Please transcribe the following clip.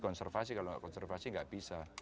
konservasi kalau nggak konservasi nggak bisa